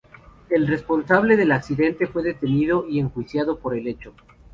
El responsable del accidente fue detenido y enjuiciado por el hecho.